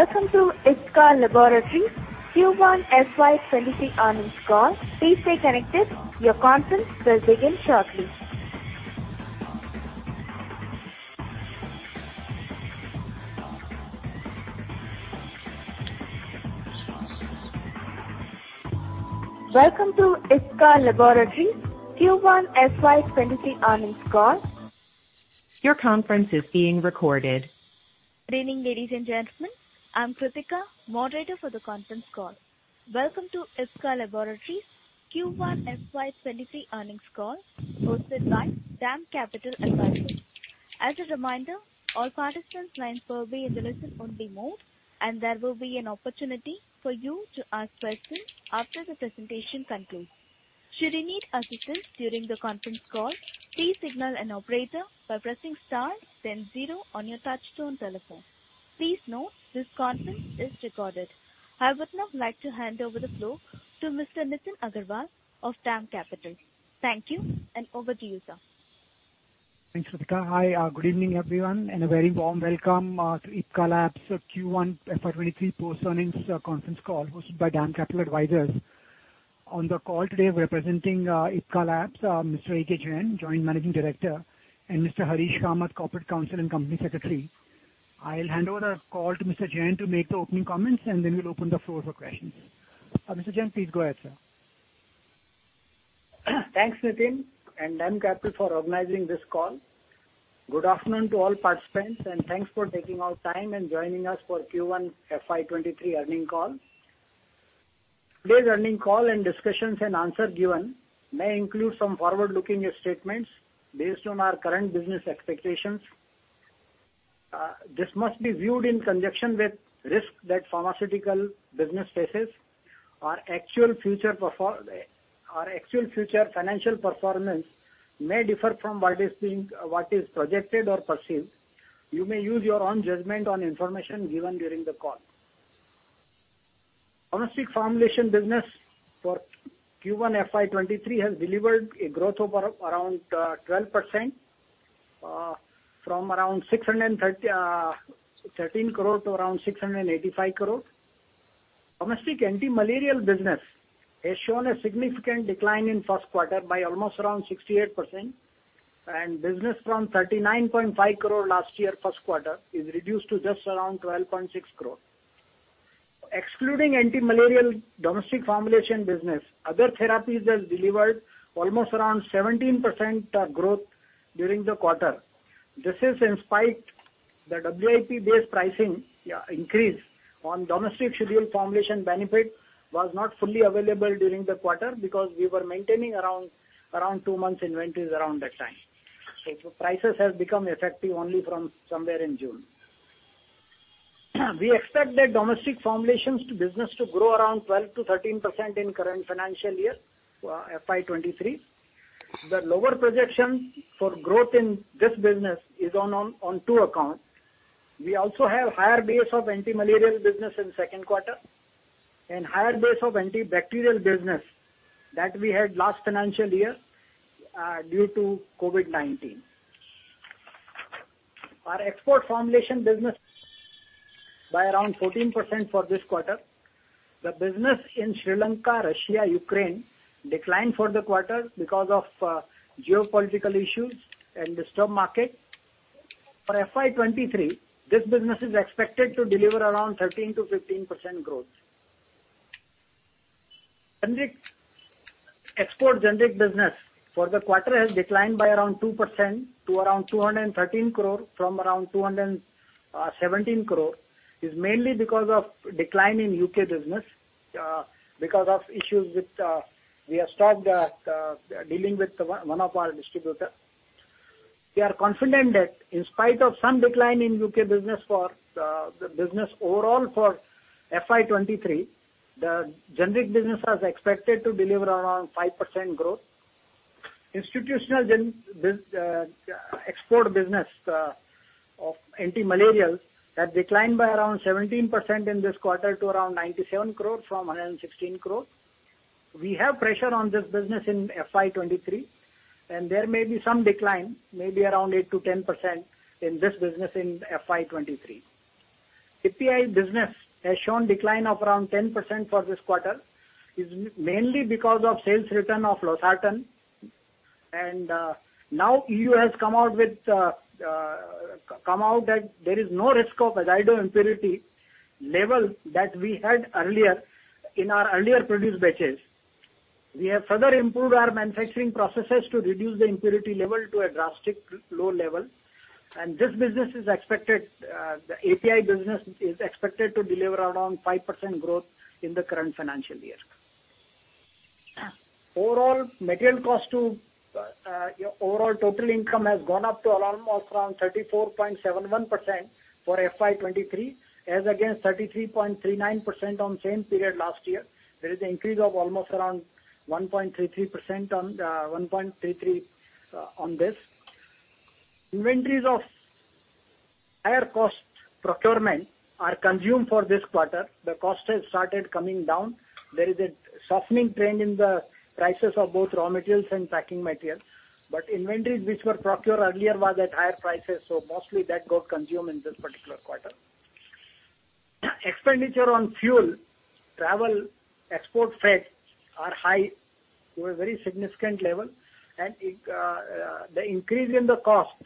Good evening, ladies and gentlemen. I'm Kritika, moderator for the conference call. Welcome to Ipca Laboratories Q1 FY23 earnings call hosted by DAM Capital Advisors. As a reminder, all participants lines will be in listen-only mode, and there will be an opportunity for you to ask questions after the presentation concludes. Should you need assistance during the conference call, please signal an operator by pressing star then zero on your touchtone telephone. Please note this conference is recorded. I would now like to hand over the floor to Mr. Nitin Agarwal of DAM Capital. Thank you and over to you, sir. Thanks, Kritika. Hi. Good evening, everyone, and a very warm welcome to Ipca Labs Q1 FY 23 post-earnings conference call hosted by DAM Capital Advisors. On the call today, representing Ipca Labs, Mr. A.K. Jain, Joint Managing Director, and Mr. Harish Kamath, Corporate Counsel and Company Secretary. I'll hand over the call to Mr. Jain to make the opening comments, and then we'll open the floor for questions. Mr. Jain, please go ahead, sir. Thanks, Nitin, and DAM Capital for organizing this call. Good afternoon to all participants, and thanks for taking the time and joining us for Q1 FY 2023 earnings call. Today's earnings call and discussions and answer given may include some forward-looking statements based on our current business expectations. This must be viewed in conjunction with risk that pharmaceutical business faces. Our actual future financial performance may differ from what is projected or perceived. You may use your own judgment on information given during the call. Domestic formulation business for Q1 FY 2023 has delivered a growth of around 12%, from around 613 crore to around 685 crore. Domestic anti-malarial business has shown a significant decline in first quarter by almost around 68%, and business from 39.5 crore last year first quarter is reduced to just around 12.6 crore. Excluding anti-malarial domestic formulation business, other therapies has delivered almost around 17% growth during the quarter. This is in spite of the WPI-based pricing increase on domestic scheduled formulation benefit was not fully available during the quarter because we were maintaining around two months inventories around that time. Prices have become effective only from somewhere in June. We expect that domestic formulations to business to grow around 12%-13% in current financial year, FY 2023. The lower projections for growth in this business is on two accounts. We also have higher base of anti-malarial business in second quarter and higher base of antibacterial business that we had last financial year due to COVID-19. Our export formulation business by around 14% for this quarter. The business in Sri Lanka, Russia, Ukraine declined for the quarter because of geopolitical issues and disturbed market. For FY 2023, this business is expected to deliver around 13%-15% growth. Export generic business for the quarter has declined by around 2% to around 213 crore from around 217 crore. It's mainly because of decline in U.K. business because of issues with. We have stopped dealing with one of our distributor. We are confident that in spite of some decline in U.K. business for the business overall for FY 2023, the generic business is expected to deliver around 5% growth. Institutional export business of anti-malarials has declined by around 17% in this quarter to around 97 crore from 116 crore. We have pressure on this business in FY 2023, and there may be some decline, maybe around 8%-10% in this business in FY 2023. API business has shown decline of around 10% for this quarter. It's mainly because of sales return of losartan. Now E.U. has come out that there is no risk of azido impurity level that we had earlier in our earlier produced batches. We have further improved our manufacturing processes to reduce the impurity level to a drastic low level, and this business is expected, the API business is expected to deliver around 5% growth in the current financial year. Overall material cost to overall total income has gone up to around 34.71% for FY 2023 as against 33.39% on same period last year. There is an increase of almost around 1.33% on this. Inventories of higher cost procurement are consumed for this quarter. The cost has started coming down. There is a softening trend in the prices of both raw materials and packing materials, but inventories which were procured earlier was at higher prices, so mostly that got consumed in this particular quarter. Expenditure on fuel, travel, export freight are high to a very significant level and the increase in the costs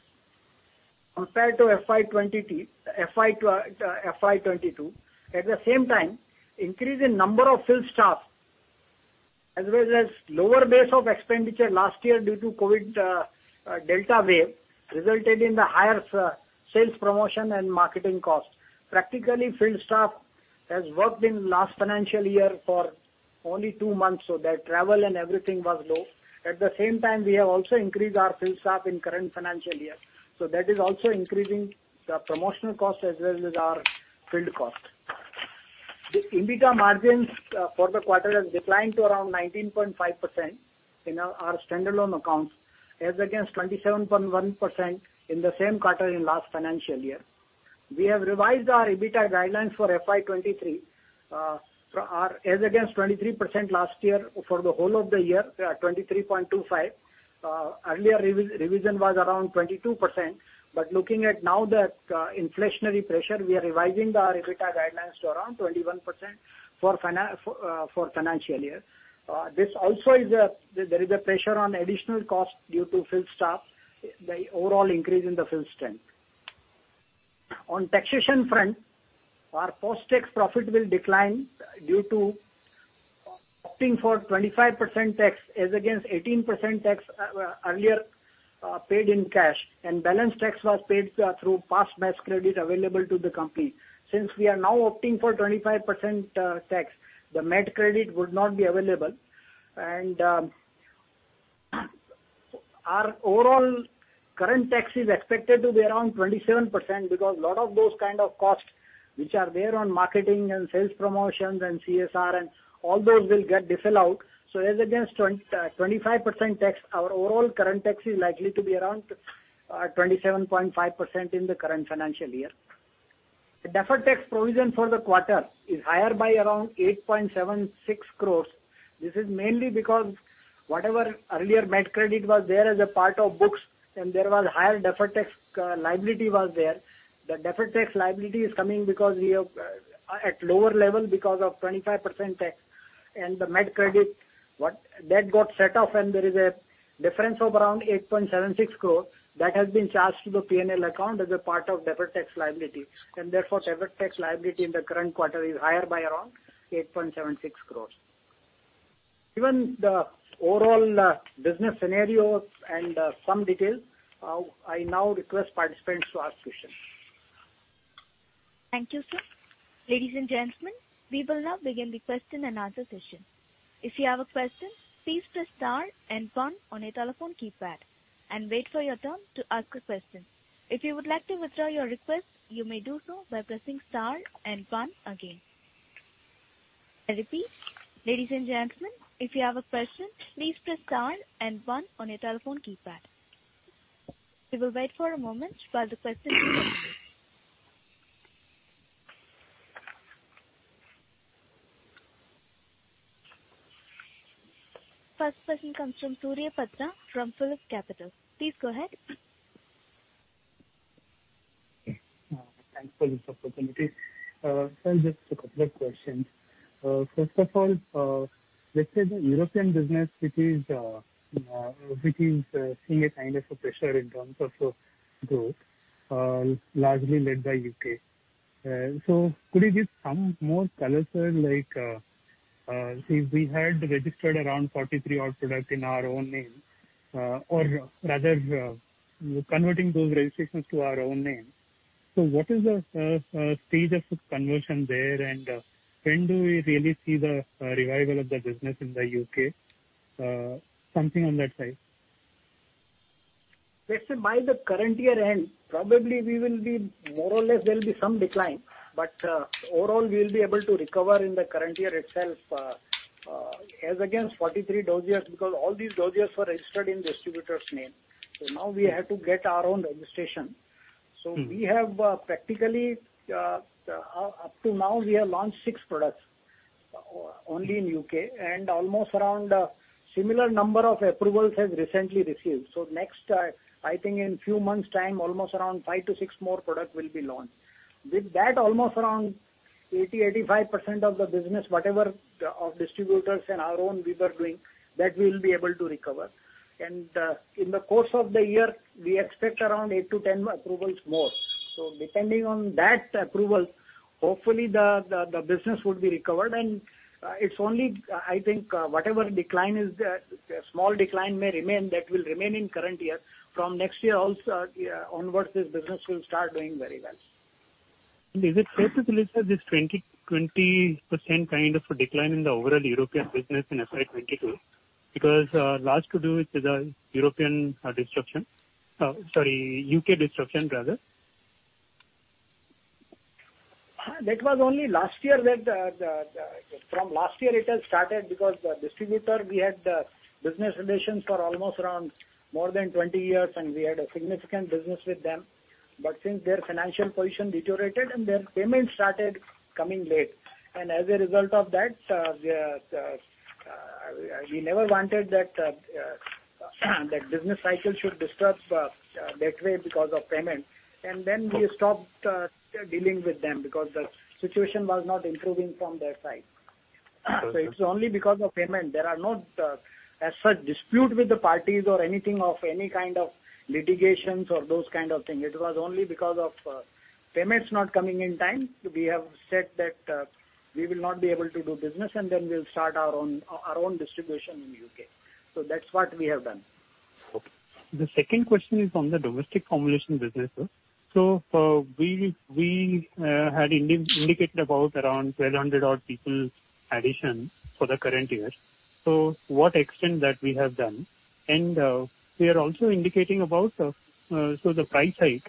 compared to FY 2022. At the same time, increase in number of field staff, as well as lower base of expenditure last year due to COVID, Delta wave resulted in the higher sales promotion and marketing costs. Practically, field staff has worked in last financial year for only two months, so their travel and everything was low. At the same time, we have also increased our field staff in current financial year, so that is also increasing the promotional cost as well as our field cost. The EBITDA margins for the quarter has declined to around 19.5% in our standalone accounts as against 27.1% in the same quarter in last financial year. We have revised our EBITDA guidelines for FY23 as against 23% last year for the whole of the year, 23.25%. Earlier revision was around 22%. Looking at the inflationary pressure now, we are revising the EBITDA guidelines to around 21% for financial year. There is a pressure on additional cost due to field staff, the overall increase in the field strength. On taxation front, our post-tax profit will decline due to opting for 25% tax as against 18% tax earlier paid in cash and balance tax was paid through past MAT credit available to the company. Since we are now opting for 25% tax, the MAT credit would not be available. Our overall current tax is expected to be around 27% because a lot of those kind of costs which are there on marketing and sales promotions and CSR and all those will get deferred out. As against 25% tax, our overall current tax is likely to be around 27.5% in the current financial year. The deferred tax provision for the quarter is higher by around 8.76 crores. This is mainly because whatever earlier MAT credit was there as per books and there was higher deferred tax liability was there. The deferred tax liability is coming because we have at lower level because of 25% tax and the MAT credit that got set off and there is a difference of around 8.76 crores that has been charged to the P&L account as a part of deferred tax liability. Therefore, deferred tax liability in the current quarter is higher by around 8.76 crores. Given the overall business scenario and some details, I now request participants to ask questions. Thank you, sir. Ladies and gentlemen, we will now begin the question and answer session. If you have a question, please press star and one on your telephone keypad and wait for your turn to ask a question. If you would like to withdraw your request, you may do so by pressing star and one again. I repeat. Ladies and gentlemen, if you have a question, please press star and one on your telephone keypad. We will wait for a moment while the questions are coming in. First question comes from Surya Patra from PhillipCapital. Please go ahead. Thanks for this opportunity. Just a couple of questions. First of all, let's say the European business which is seeing a kind of pressure in terms of growth, largely led by U.K. Could you give some more color, sir? Like, we had registered around 43 odd product in our own name, or rather, converting those registrations to our own name. What is the stage of conversion there? When do we really see the revival of the business in the U.K.? Something on that side. Listen, by the current year end, probably we will be more or less there'll be some decline. Overall, we'll be able to recover in the current year itself, as against 43 dossiers, because all these dossiers were registered in distributor's name. Now we have to get our own registration. Mm-hmm. We have practically up to now we have launched 6 products only in U.K. and almost around similar number of approvals has recently received. Next, I think in few months' time, almost around 5-6 more products will be launched. With that, almost around 85% of the business, whatever of distributors and our own we were doing, that we'll be able to recover. In the course of the year, we expect around 8-10 approvals more. Depending on that approval, hopefully the business would be recovered. It's only, I think, whatever decline is, a small decline may remain, that will remain in current year. From next year also onwards, this business will start doing very well. Is it fair to say, sir, this 20-20% kind of a decline in the overall European business in FY 22 because largely to do with the U.K. disruption rather? From last year it has started because the distributor we had business relations for almost around more than 20 years, and we had a significant business with them. Since their financial position deteriorated and their payments started coming late. As a result of that, we never wanted that business cycle should disturb that way because of payment. We stopped dealing with them because the situation was not improving from their side. Okay. It's only because of payment. There are no as such dispute with the parties or anything of any kind of litigations or those kind of things. It was only because of payments not coming in time. We have said that we will not be able to do business, and then we'll start our own distribution in U.K. That's what we have done. Okay. The second question is on the domestic formulation business, sir. We had indicated about 1,200 people addition for the current year. What extent that we have done. We are also indicating about the price hike,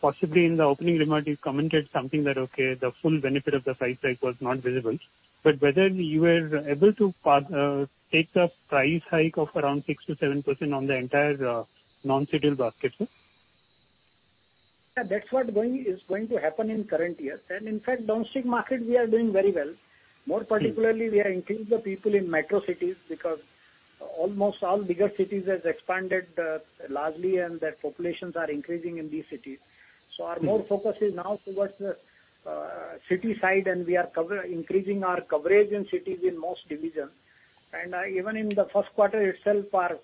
possibly in the opening remark you commented something that, okay, the full benefit of the price hike was not visible, but whether you were able to take the price hike of around 6%-7% on the entire non-scheduled basket, sir. Yeah, that's what is going to happen in current year. In fact, downstream market we are doing very well. More particularly, we are increasing the people in metro cities because almost all bigger cities has expanded, largely, and their populations are increasing in these cities. Our more focus is now towards the city side, and we are increasing our coverage in cities in most divisions. Even in the first quarter itself we are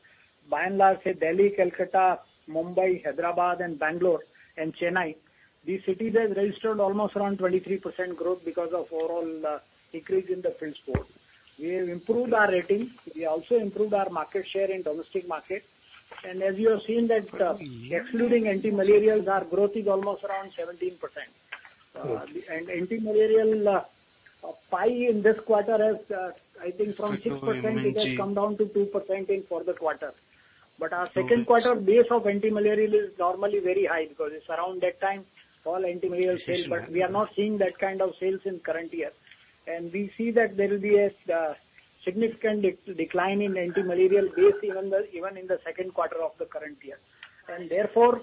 by and large, say, Delhi, Calcutta, Mumbai, Hyderabad and Bangalore and Chennai. These cities has registered almost around 23% growth because of overall increase in the field force. We have improved our ratings. We also improved our market share in domestic market. As you have seen that, excluding antimalarials, our growth is almost around 17%. Antimalarial API in this quarter has, I think, from 6% it has come down to 2% for the quarter. Our second quarter base of antimalarial is normally very high because it's around that time all antimalarial sales, but we are not seeing that kind of sales in current year. We see that there will be a significant decline in antimalarial base even in the second quarter of the current year. Therefore,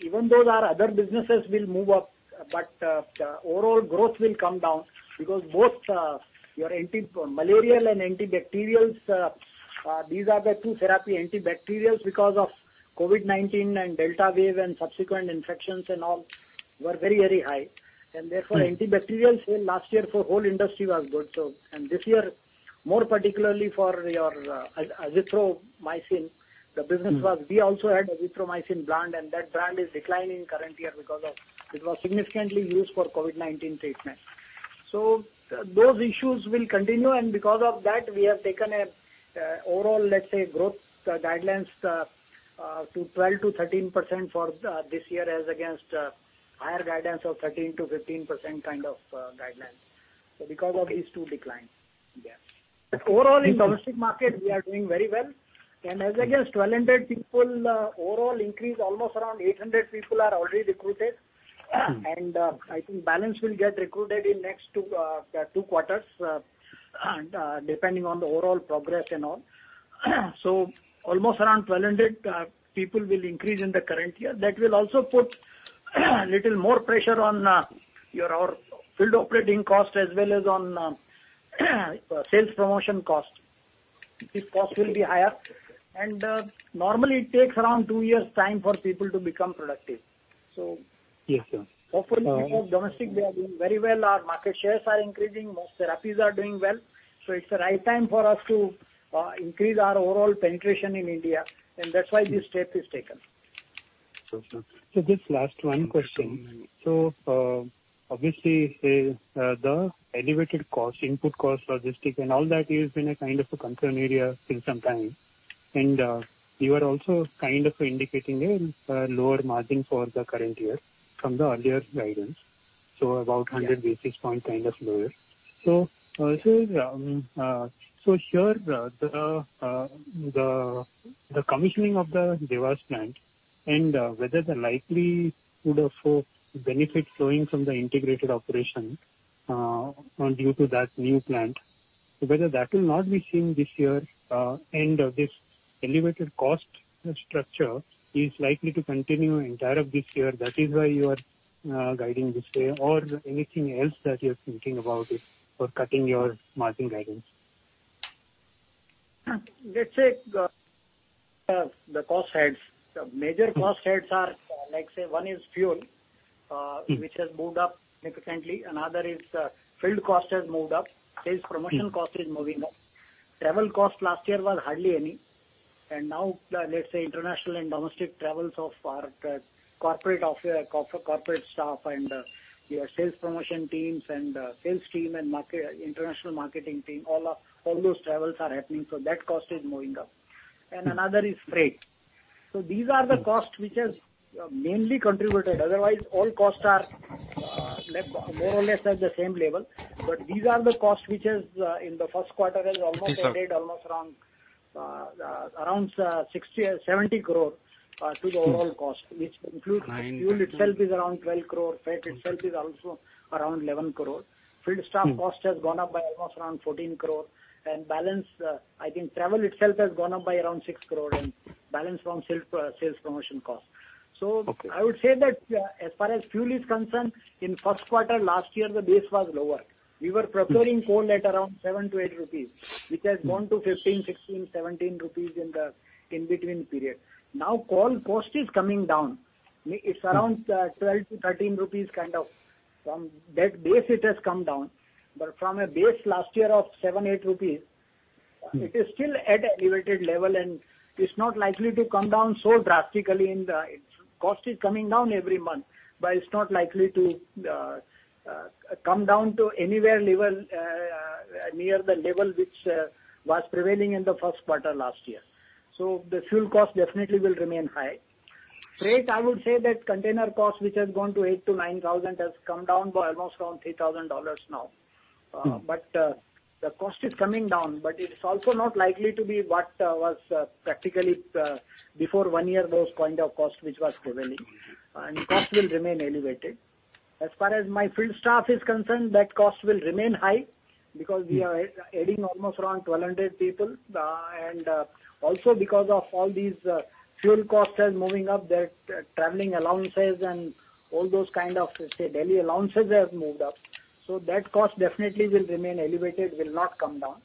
even though our other businesses will move up, overall growth will come down because both our anti-malaria and antibacterials, these are the two therapies antibacterials because of COVID-19 and Delta wave and subsequent infections and all were very, very high. Therefore, antibacterial sales last year for whole industry were good. This year, more particularly for your Azithromycin, the business was. We also had Azithromycin brand, and that brand is declining current year because it was significantly used for COVID-19 treatment. Those issues will continue. Because of that, we have taken overall, let's say, growth guidelines to 12%-13% for this year as against higher guidance of 13%-15% kind of guidance. Because of these two declines. Yes. Overall in domestic market we are doing very well. As against 1,200 people, overall increase, almost around 800 people are already recruited. I think balance will get recruited in next 2 quarters and depending on the overall progress and all. Almost around 1,200 people will increase in the current year. That will also put little more pressure on our field operating cost as well as on sales promotion cost. These costs will be higher. Normally it takes around 2 years' time for people to work on productive. Yes, sir. Hopefully, because domestic, we are doing very well. Our market shares are increasing. Most therapies are doing well. It's the right time for us to increase our overall penetration in India. That's why this step is taken. Sure, sir. Just last one question. Obviously, the elevated cost, input cost, logistics and all that has been a kind of a concern area for some time. You are also kind of indicating a lower margin for the current year from the earlier guidance, about 100 basis point kind of lower. Here the commissioning of the Dewas plant and whether that likely would offer benefits flowing from the integrated operation and due to that new plant. Whether that will not be seen this year and this elevated cost structure is likely to continue entire of this year, that is why you are guiding this way or anything else that you're thinking about it for cutting your margin guidance. Let's say the cost heads. The major cost heads are like one is fuel which has moved up significantly. Another is field cost has moved up. Sales promotion cost is moving up. Travel cost last year was hardly any. Now let's say international and domestic travels of our corporate office corporate staff and your sales promotion teams and sales team and international marketing team all those travels are happening so that cost is moving up. Another is freight. These are the costs which has mainly contributed. Otherwise all costs are left more or less at the same level. These are the costs which is in the first quarter has almost added around 60-70 crore to the overall cost, which includes fuel itself is around 12 crore. Freight itself is also around 11 crore. Field staff cost has gone up by almost around 14 crore. Balance, I think travel itself has gone up by around 6 crore and balance from sales promotion cost. I would say that, as far as fuel is concerned, in first quarter last year, the base was lower. We were procuring coal at around 7-8 rupees, which has gone to 15-17 rupees in the in between period. Now coal cost is coming down. It is around 12-13 rupees kind of. From that base it has come down. From a base last year of 7-8 rupees, it is still at elevated level, and it's not likely to come down so drastically. Cost is coming down every month, but it's not likely to come down to any level near the level which was prevailing in the first quarter last year. So the fuel cost definitely will remain high. Freight, I would say that container cost, which has gone to $8,000-$9,000, has come down by almost around $3,000 now. Mm-hmm. The cost is coming down, but it's also not likely to be what was practically before one year those kind of cost which was prevailing. Cost will remain elevated. As far as my field staff is concerned, that cost will remain high because we are adding almost around 1,200 people. Also because of all these, fuel costs are moving up, their traveling allowances and all those kind of, say, daily allowances have moved up. That cost definitely will remain elevated, will not come down.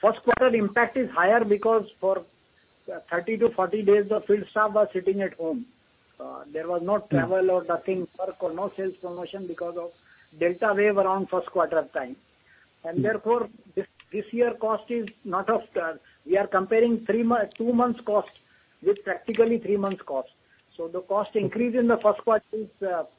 First quarter impact is higher because for 30-40 days the field staff was sitting at home. There was no travel or nothing, work or no sales promotion because of Delta wave around first quarter time. Therefore this year cost is not of, we are comparing two months cost with practically three months cost. The cost increase in the first quarter is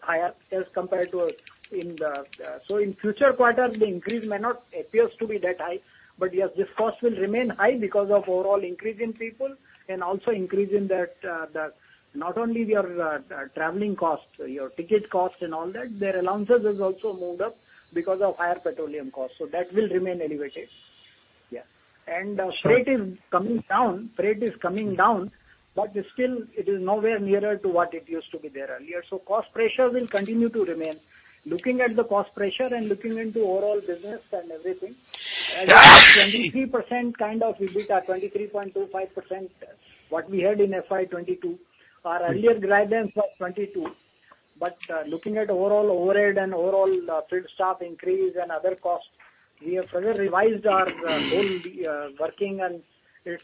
higher as compared to in the. In future quarters the increase may not appears to be that high. But yes, this cost will remain high because of overall increase in people and also increase in that, the not only your traveling cost, your ticket cost and all that, their allowances has also moved up because of higher petroleum cost. That will remain elevated. Yeah. Freight is coming down, but still it is nowhere nearer to what it used to be there earlier. Cost pressure will continue to remain. Looking at the cost pressure and looking into overall business and everything, as of 23% kind of EBITDA, 23.25%, what we had in FY 2022. Our earlier guidance of 22%. Looking at overall overhead and overall field staff increase and other costs, we have further revised our whole working and it's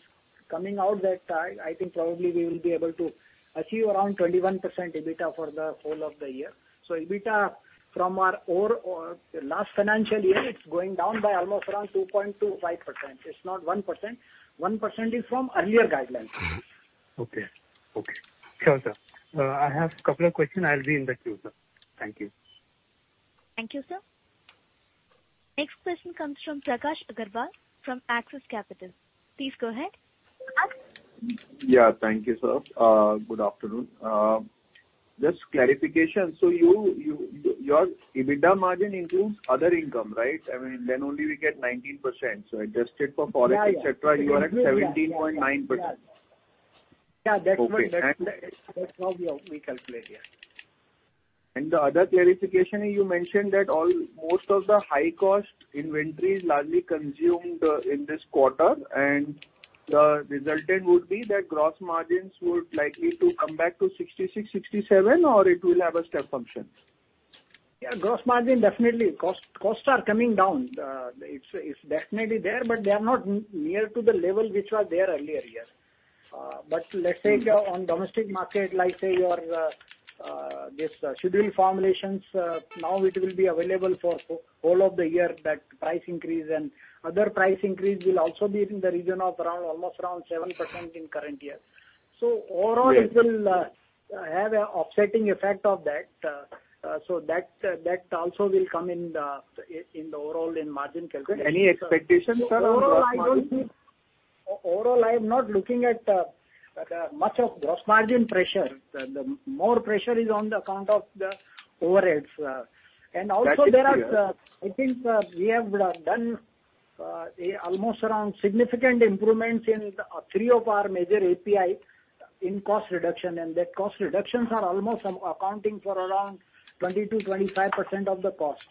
coming out that I think probably we will be able to achieve around 21% EBITDA for the whole of the year. EBITDA from our overall last financial year, it's going down by almost around 2.25%. It's not 1%. 1% is from earlier guidance. Okay. Sure, sir. I have a couple of questions. I'll be in the queue, sir. Thank you. Thank you, sir. Next question comes from Prakash Agarwal from Axis Capital. Please go ahead. Yeah. Thank you, sir. Good afternoon. Just clarification. Your EBITDA margin includes other income, right? I mean, then only we get 19%. Adjusted for forex et cetera, you are at 17.9%. Yeah, that's how we calculate, yeah. The other clarification, you mentioned that all, most of the high-cost inventory is largely consumed in this quarter, and the resultant would be that gross margins would likely to come back to 66%-67% or it will have a step function? Yeah, gross margin definitely. Costs are coming down. It's definitely there, but they are not near to the level which was there earlier year. Let's take on domestic market, like, say, your, this scheduled formulations, now it will be available for the whole of the year, that price increase. Other price increase will also be in the region of around, almost around 7% in current year. Overall it will have an offsetting effect of that. That also will come in the overall in margin calculation. Any expectations around gross margin? Overall, I'm not looking at much of gross margin pressure. The more pressure is on the account of the overheads. That is clear. I think we have done almost around significant improvements in three of our major API in cost reduction. The cost reductions are almost accounting for around 20%-25% of the cost.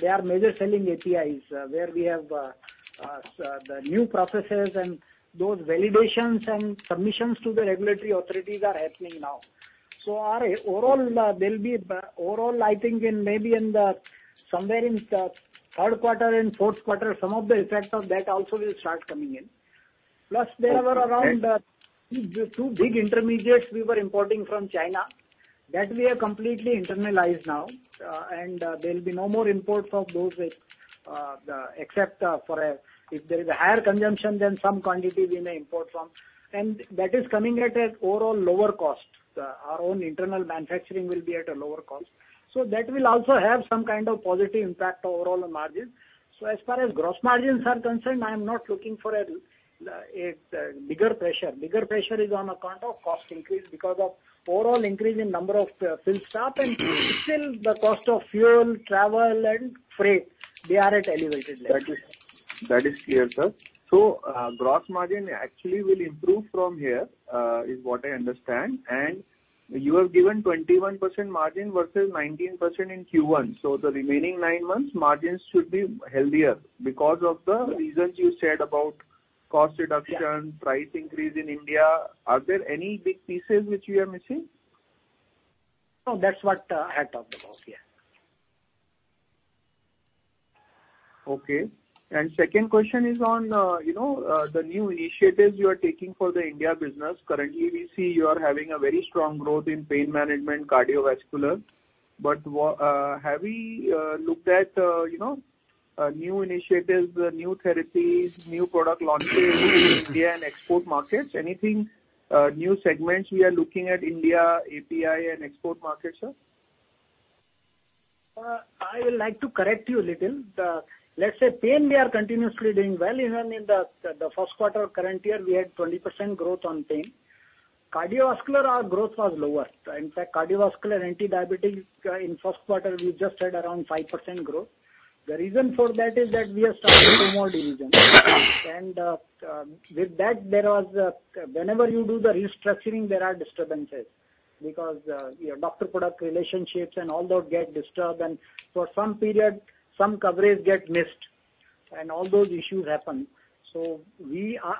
They are major selling APIs where we have the new processes and those validations and submissions to the regulatory authorities are happening now. Our overall, there'll be overall I think in maybe somewhere in third quarter and fourth quarter, some of the effects of that also will start coming in. There were around two big intermediates we were importing from China that we have completely internalized now. There'll be no more imports of those which except for if there is a higher consumption than some quantity we may import from. That is coming at an overall lower cost. Our own internal manufacturing will be at a lower cost. That will also have some kind of positive impact overall on margins. As far as gross margins are concerned, I am not looking for a bigger pressure. Bigger pressure is on account of cost increase because of overall increase in number of field staff and still the cost of fuel, travel and freight, they are at elevated levels. That is clear, sir. Gross margin actually will improve from here, is what I understand. You have given 21% margin versus 19% in Q1. The remaining 9 months margins should be healthier because of the reasons you said about cost reduction. Yeah. Price increase in India. Are there any big pieces which you are missing? No, that's what, I had talked about. Yeah. Okay. Second question is on, you know, the new initiatives you are taking for the India business. Currently, we see you are having a very strong growth in pain management, cardiovascular. Have we looked at, you know, new initiatives, new therapies, new product launches in India and export markets? Anything, new segments we are looking at India, API and export markets, sir? I would like to correct you a little. Let's say, pain we are continuously doing well. Even in the first quarter current year we had 20% growth on pain. Cardiovascular, our growth was lower. In fact, cardiovascular antidiabetic in first quarter we just had around 5% growth. The reason for that is that we are starting two more divisions. With that there was, whenever you do the restructuring, there are disturbances because your doctor-product relationships and all those get disturbed. For some period some coverage get missed and all those issues happen. We are...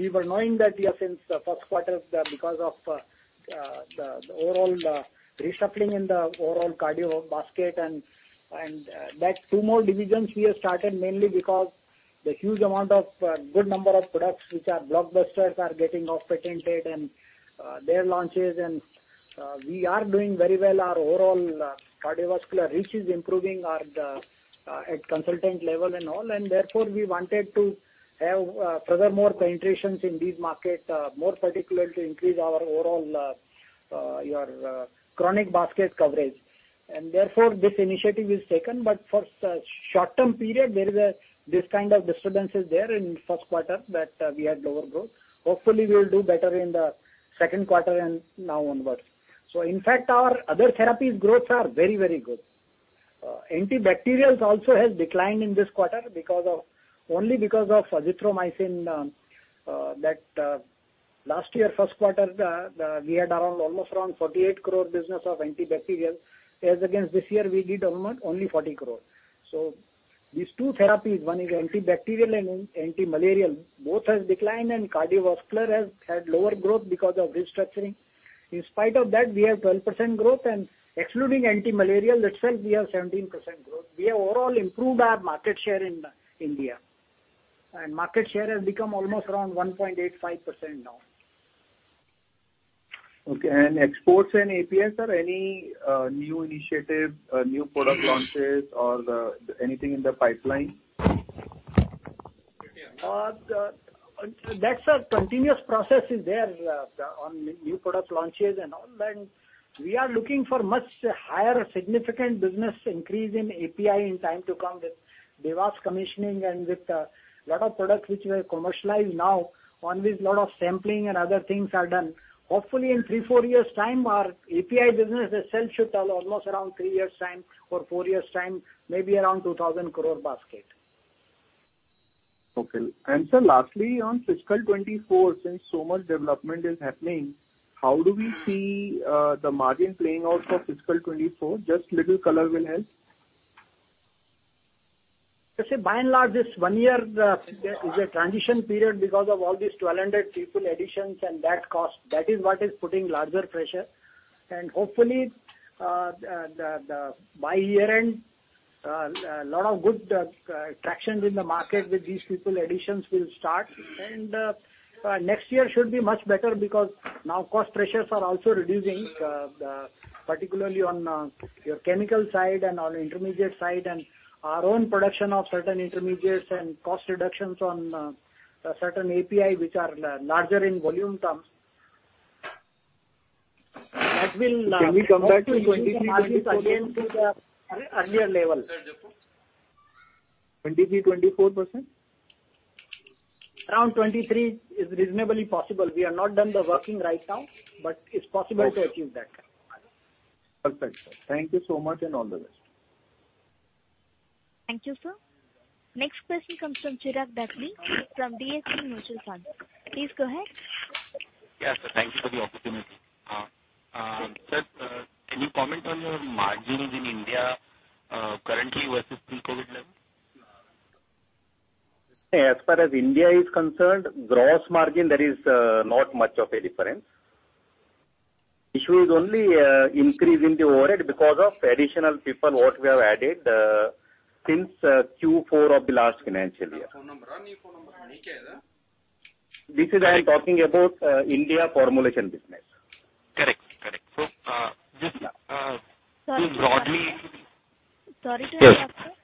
We were knowing that since the first quarter because of the overall reshuffling in the overall cardio basket and that two more divisions we have started mainly because the huge amount of good number of products which are blockbusters are getting off-patent and their launches. We are doing very well. Our overall cardiovascular reach is improving at the consultant level and all. Therefore, we wanted to have further more penetrations in these markets more particularly to increase our overall our chronic basket coverage. Therefore, this initiative is taken. For short-term period, there is this kind of disturbance in first quarter that we had lower growth. Hopefully, we'll do better in the second quarter and now onwards. In fact, our other therapies growths are very, very good. Antibacterials also has declined in this quarter because of, only because of azithromycin, that last year first quarter, we had around almost around 48 crore business of antibacterial. As against this year we did almost only 40 crore. These two therapies, one is antibacterial and antimalarial, both has declined, and cardiovascular has had lower growth because of restructuring. In spite of that, we have 12% growth. Excluding antimalarial itself, we have 17% growth. We have overall improved our market share in India. Market share has become almost around 1.85% now. Okay. Exports and APIs, are any new initiative, new product launches or anything in the pipeline? That's a continuous process on new product launches and all. We are looking for much higher significant business increase in API in time to come with Dewas commissioning and with lot of products which were commercialized now, on which lot of sampling and other things are done. Hopefully, in 3-4 years' time our API business itself should tell almost around 3 years' time or 4 years' time, maybe around 2,000 crore basket. Okay. Sir, lastly, on fiscal 2024, since so much development is happening, how do we see the margin playing out for fiscal 2024? Just little color will help. Let's say by and large, this one year is a transition period because of all these 1,200 people additions and that cost. That is what is putting larger pressure. Hopefully, by year-end, a lot of good traction with the market with these people additions will start. Next year should be much better because now cost pressures are also reducing, particularly on your chemical side and on intermediate side, and our own production of certain intermediates and cost reductions on certain API which are larger in volume terms. That will. Can we come back to 23%-24%? Hopefully we should be able to again see the earlier levels. 23%-24%? Around 23% is reasonably possible. We have not done the working right now, but it's possible to achieve that. Okay. Perfect, sir. Thank you so much, and all the best. Thank you, sir. Next question comes from Chirag Dagli from DSP Mutual Fund. Please go ahead. Yes, sir. Thank you for the opportunity. Sir, can you comment on your margins in India, currently versus pre-COVID levels? As far as India is concerned, gross margin there is not much of a difference. Issue is only increase in the overhead because of additional people what we have added since Q4 of the last financial year. This is what I am talking about, India formulation business. Correct. Just too broadly. Sorry to interrupt, sir. Yes.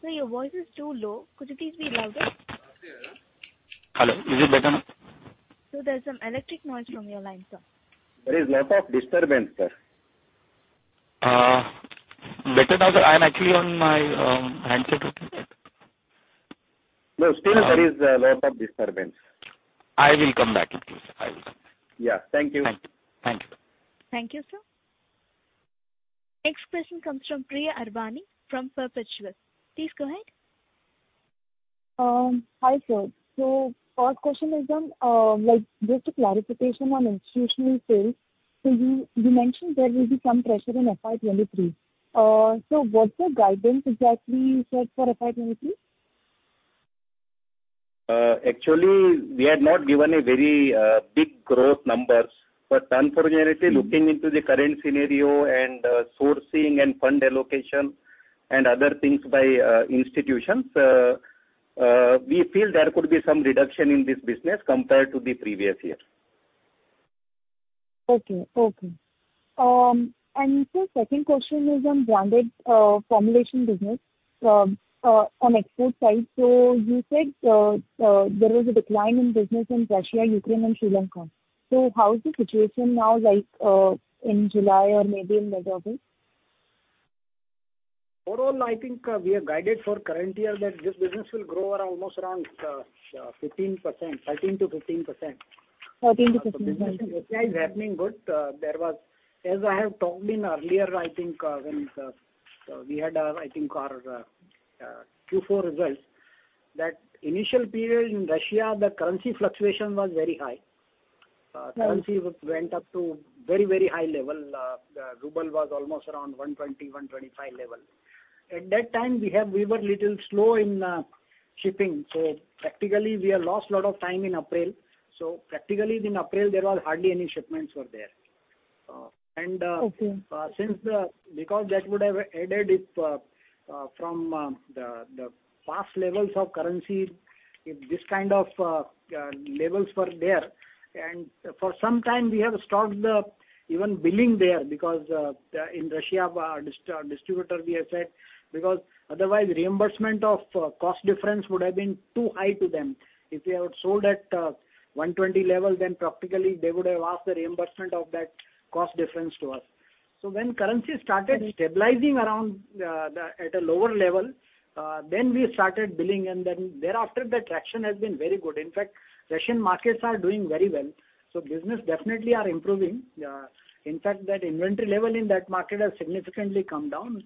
Sir, your voice is too low. Could you please be louder? Hello, is it better now? Sir, there's some electric noise from your line, sir. There is lot of disturbance, sir. Better now, sir. I'm actually on my handset. No, still there is a lot of disturbance. I will come back again, sir. I will come back. Yeah. Thank you. Thank you. Thank you. Thank you, sir. Next question comes from Priya Harwani from Perpetual. Please go ahead. Hi, sir. First question is on, like, just a clarification on institutional sales. You mentioned there will be some pressure in FY 23. What's your guidance exactly you said for FY 23? Actually, we had not given a very big growth numbers. Unfortunately, looking into the current scenario and sourcing and fund allocation and other things by institutions, we feel there could be some reduction in this business compared to the previous year. Sir, second question is on branded formulation business. On export side, you said there was a decline in business in Russia, Ukraine and Sri Lanka. How is the situation now, like, in July or maybe in the month of August? Overall, I think we have guided for current year that this business will grow almost around 15%, 13%-15%. 13%-15%. The business, which is happening good. As I have told earlier, I think, when we had our Q4 results, that initial period in Russia, the currency fluctuation was very high. Right. Currency went up to very, very high level. The ruble was almost around 120-125 level. At that time, we were little slow in shipping. Practically, we have lost a lot of time in April. Practically in April, there was hardly any shipments were there. Okay. Because that would have added if from the past levels of currency, if this kind of levels were there. For some time, we have stopped the even billing there because in Russia our distributor we have said, because otherwise reimbursement of cost difference would have been too high to them. If we have sold at 120 level, then practically they would have asked the reimbursement of that cost difference to us. When currency started stabilizing around at a lower level, then we started billing, and then thereafter the traction has been very good. In fact, Russian markets are doing very well, so business definitely are improving. In fact, that inventory level in that market has significantly come down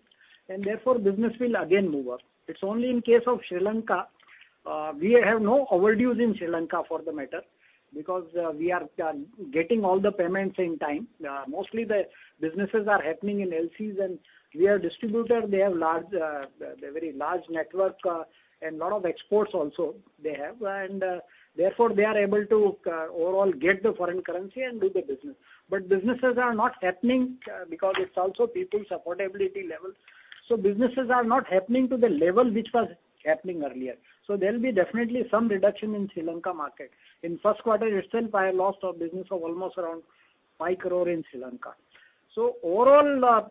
and therefore business will again move up. It's only in case of Sri Lanka, we have no overdues in Sri Lanka for the matter because we are getting all the payments in time. Mostly the businesses are happening in LCs and we are distributor. They have a very large network and a lot of exports also. Therefore they are able to overall get the foreign currency and do the business. Businesses are not happening because it's also people's affordability levels. Businesses are not happening to the level which was happening earlier. There'll be definitely some reduction in Sri Lanka market. In first quarter itself, I lost a business of almost around 5 crore in Sri Lanka. Overall,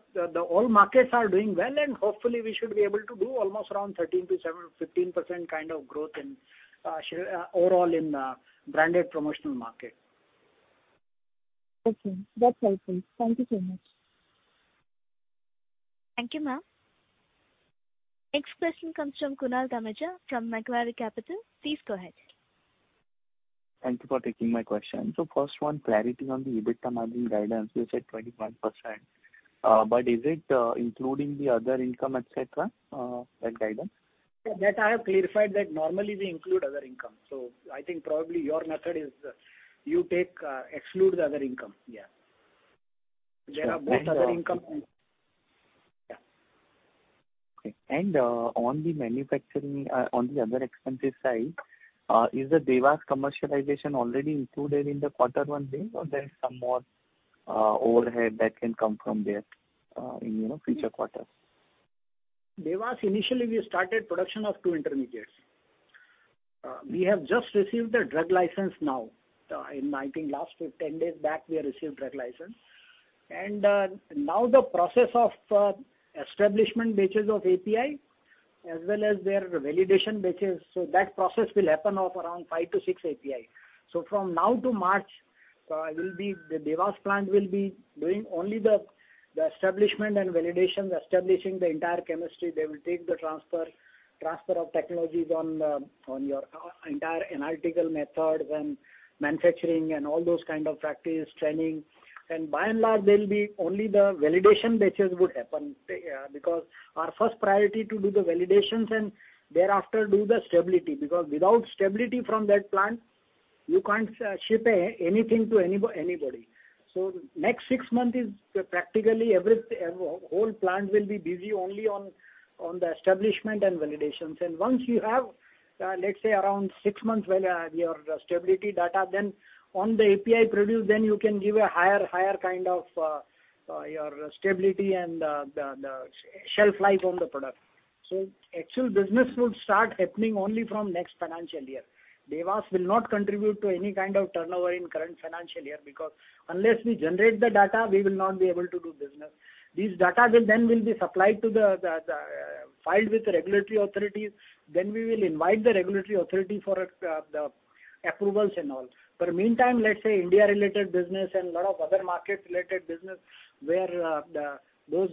all markets are doing well and hopefully we should be able to do almost around 13%-15% kind of growth in overall in branded promotional market. Okay. That's helpful. Thank you so much. Thank you, ma'am. Next question comes from Kunal Dhamesha from Macquarie Capital. Please go ahead. Thank you for taking my question. First one, clarity on the EBITDA margin guidance. You said 21%, but is it, including the other income, et cetera, that guidance? That I have clarified that normally we include other income. I think probably your method is you take, exclude the other income. Yeah. Sure. There are both other income and. Yeah. Okay. On the manufacturing, on the other expenses side, is the Dewas commercialization already included in the quarter one P&L or there is some more, overhead that can come from there, in, you know, future quarters? Dewas, initially we started production of 2 intermediates. We have just received the drug license now. In I think last week, 10 days back, we have received drug license. Now the process of establishment batches of API as well as their validation batches. That process will happen of around 5 to 6 API. From now to March, the Dewas plant will be doing only the establishment and validation, establishing the entire chemistry. They will take the transfer of technologies on your entire analytical method when manufacturing and all those kind of practice, training. By and large, there'll be only the validation batches would happen, because our first priority to do the validations and thereafter do the stability. Because without stability from that plant, you can't ship anything to anybody. Next six months is practically whole plant will be busy only on the establishment and validations. Once you have, let's say around six months your stability data, then on the API produced, then you can give a higher kind of your stability and the shelf life on the product. Actual business would start happening only from next financial year. Dewas will not contribute to any kind of turnover in current financial year because unless we generate the data, we will not be able to do business. This data will then be supplied to the filed with regulatory authorities, then we will invite the regulatory authority for the approvals and all. Meantime, let's say India-related business and lot of other market-related business where those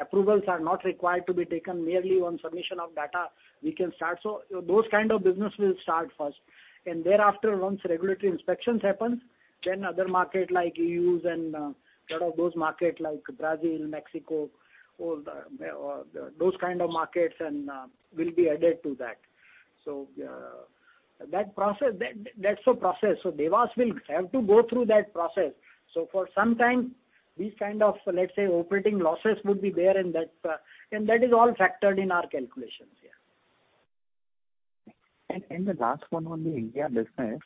approvals are not required to be taken, merely on submission of data we can start. Those kind of business will start first, and thereafter once regulatory inspections happens, then other market like U.S. and lot of those market like Brazil, Mexico, all those kind of markets and will be added to that. That process, that's the process. Dewas will have to go through that process. For some time these kind of, let's say, operating losses would be there, and that is all factored in our calculations, yeah. The last one on the India business.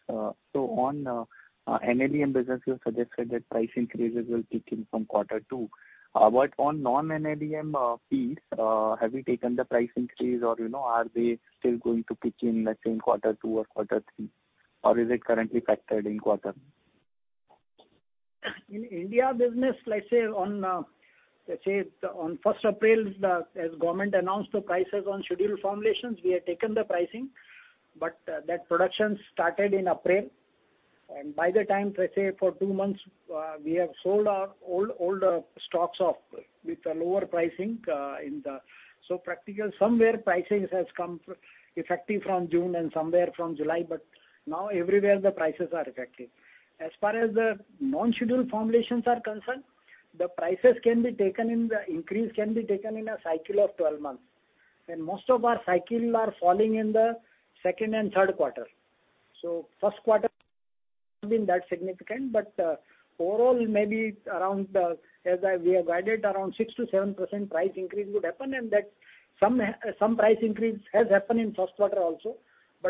NLEM business, you have suggested that price increases will kick in from quarter two. On non-NLEM fees, have you taken the price increase or, you know, are they still going to kick in, let's say in quarter two or quarter three? Or is it currently factored in quarter? In India business, let's say on first of April, as government announced the prices on scheduled formulations, we have taken the pricing, but that production started in April. By the time, let's say for two months, we have sold our older stocks off with lower pricing. Practically, somewhere pricing has come effective from June and somewhere from July, but now everywhere the prices are effective. As far as the non-scheduled formulations are concerned, the price increase can be taken in a cycle of twelve months. Most of our cycles are falling in the second and third quarter. First quarter have been that significant, but overall maybe around, we have guided around 6%-7% price increase would happen and that some price increase has happened in first quarter also.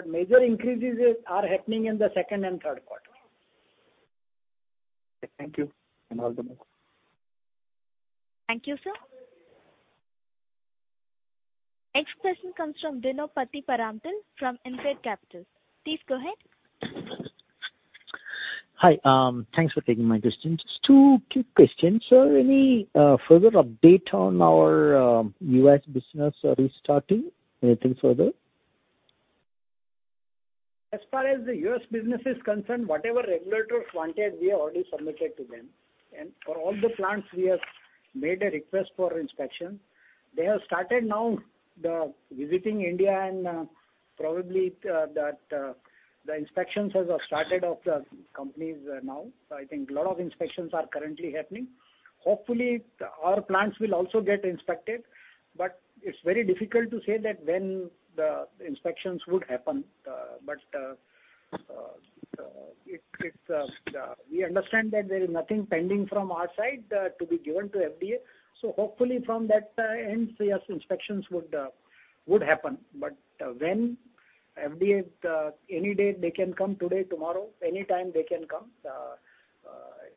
Major increases are happening in the second and third quarter. Thank you, and all the best. Thank you, sir. Next question comes from Dino Pathiparamtil from InCred Capital. Please go ahead. Hi. Thanks for taking my questions. Just two quick questions, sir. Any further update on our US business restarting? Anything further? As far as the US business is concerned, whatever regulatory wanted, we have already submitted to them. For all the plants we have made a request for inspection. They have started now visiting India, and probably the inspections have started of the companies now. I think a lot of inspections are currently happening. Hopefully our plants will also get inspected, but it's very difficult to say that when the inspections would happen. We understand that there is nothing pending from our side to be given to FDA. Hopefully from that end, yes, inspections would happen. When FDA any day they can come, today, tomorrow, anytime they can come.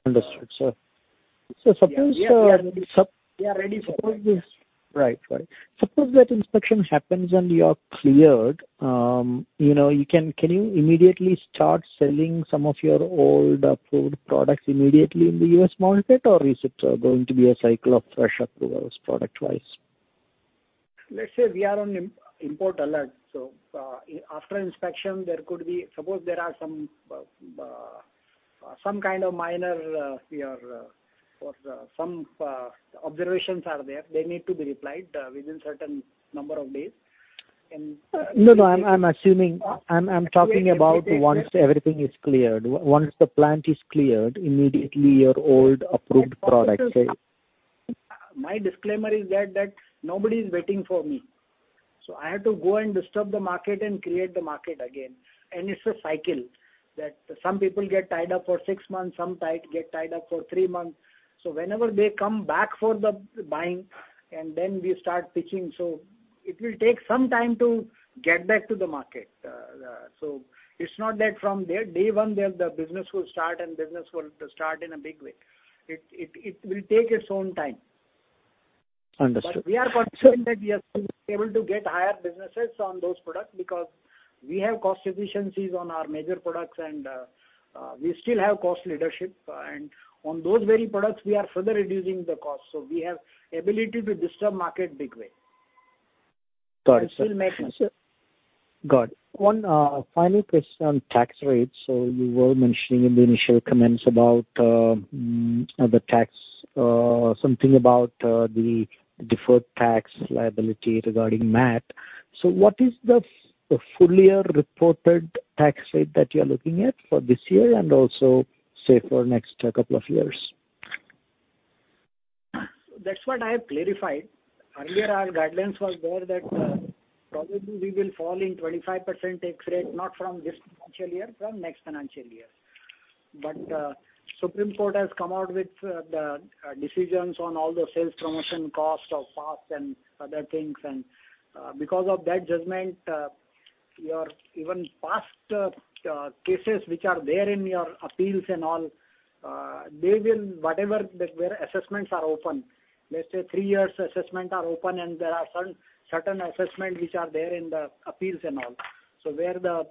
Understood, sir. Suppose, We are ready. We are ready for that. Suppose that inspection happens and you are cleared, you know, can you immediately start selling some of your old approved products immediately in the U.S. market? Or is it going to be a cycle of fresh approvals product-wise? Let's say we are on import alert. After inspection there could be. Suppose there are some kind of minor observations. They need to be replied within certain number of days. No, I'm assuming. I'm talking about once everything is cleared. Once the plant is cleared, immediately your old approved product, say. My disclaimer is that nobody is waiting for me. I have to go and disturb the market and create the market again. It's a cycle, that some people get tied up for six months, some get tied up for three months. Whenever they come back for the buying, and then we start pitching. It will take some time to get back to the market. It's not that from there, day one there the business will start and business will start in a big way. It will take its own time. Understood. We are concerned that we are still able to get higher businesses on those products because we have cost efficiencies on our major products and we still have cost leadership. On those very products, we are further reducing the cost. We have ability to disturb market big way. Got it, sir. Still making. Got it. One final question on tax rates. You were mentioning in the initial comments about the tax, something about the deferred tax liability regarding MAT. What is the full year reported tax rate that you're looking at for this year and also say for next couple of years? That's what I have clarified. Earlier our guidelines was there that probably we will fall in 25% tax rate, not from this financial year, from next financial year. Supreme Court has come out with the decisions on all the sales promotion cost of past and other things. Because of that judgment, even past cases which are there in your appeals and all, they will where assessments are open. Let's say three years assessment are open, and there are certain assessment which are there in the appeals and all. Where the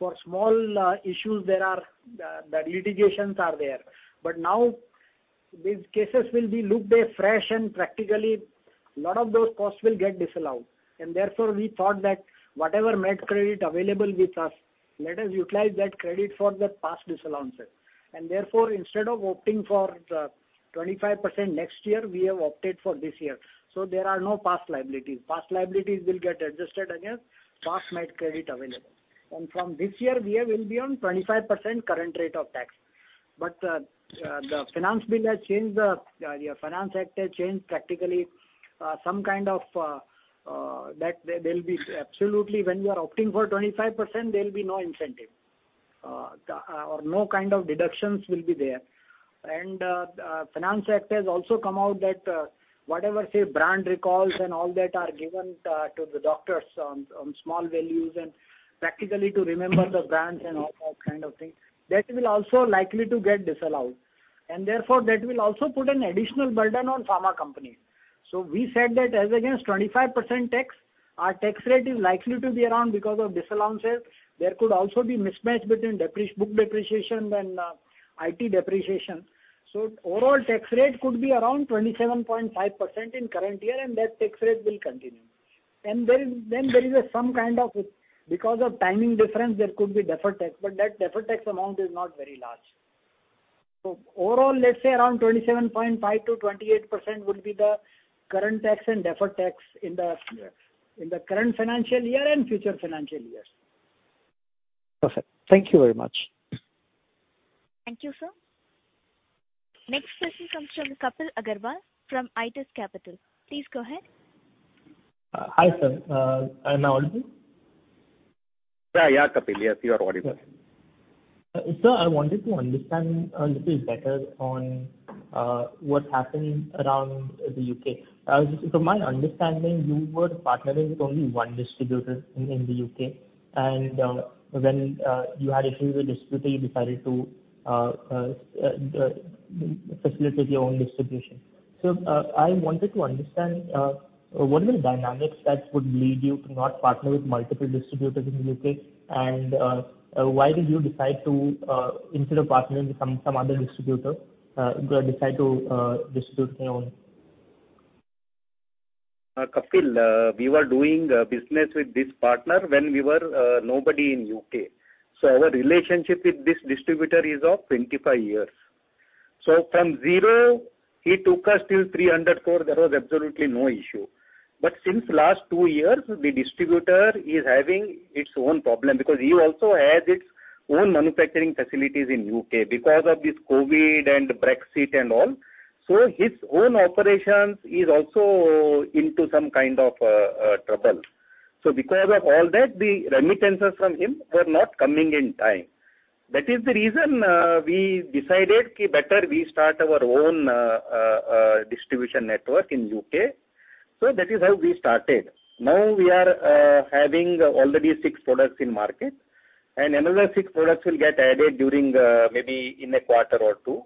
for small issues there are the litigations are there. Now these cases will be looked at fresh and practically a lot of those costs will get disallowed. Therefore, we thought that whatever MAT credit available with us, let us utilize that credit for the past disallowance. Therefore, instead of opting for 25% next year, we have opted for this year. There are no past liabilities. Past liabilities will get adjusted against past MAT credit available. From this year we will be on 25% current rate of tax. The finance bill has changed the finance act has changed practically some kind of that there'll be absolutely when you are opting for 25% there'll be no incentive. The or no kind of deductions will be there. The Finance Act has also come out that, whatever say brand recalls and all that are given, to the doctors on small values and practically to remember the brands and all that kind of thing, that will also likely to get disallowed. Therefore, that will also put an additional burden on pharma companies. We said that as against 25% tax, our tax rate is likely to be around because of disallowances. There could also be mismatch between book depreciation and IT depreciation. Overall tax rate could be around 27.5% in current year, and that tax rate will continue. There is some kind of, because of timing difference, there could be deferred tax, but that deferred tax amount is not very large. Overall, let's say around 27.5%-28% would be the current tax and deferred tax in the current financial year and future financial years. Perfect. Thank you very much. Thank you, sir. Next question comes from Kapil Agrawal from IIFL Securities. Please go ahead. Hi, sir. Am I audible? Yeah. Yeah, Kapil. Yes, you are audible. Sir, I wanted to understand a little better on what happened around the U.K. To my understanding, you were partnering with only one distributor in the U.K. and when you had issues with distributor you decided to facilitate your own distribution. I wanted to understand what were the dynamics that would lead you to not partner with multiple distributors in the U.K.? Why did you decide to, instead of partnering with some other distributor, decide to distribute your own? Kapil, we were doing business with this partner when we were nobody in U.K. Our relationship with this distributor is 25 years. From zero, he took us till 300 crore. There was absolutely no issue. Since last 2 years, the distributor is having its own problem because he also has its own manufacturing facilities in U.K. because of this COVID and Brexit and all. His own operations is also into some kind of trouble. Because of all that, the remittances from him were not coming in time. That is the reason we decided better we start our own distribution network in U.K. That is how we started. Now we are having already 6 products in market, and another 6 products will get added during maybe in a quarter or two.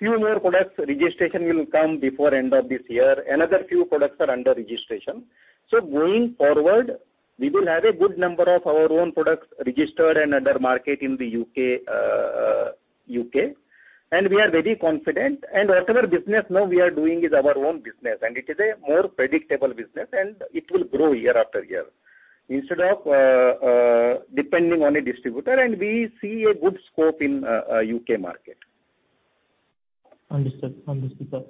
Few more products registration will come before end of this year. Another few products are under registration. Going forward, we will have a good number of our own products registered and under market in the U.K. We are very confident and whatever business now we are doing is our own business, and it is a more predictable business, and it will grow year after year instead of depending on a distributor, and we see a good scope in U.K. market. Understood, sir.